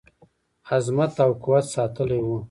عظمت او قوت ساتلی وو.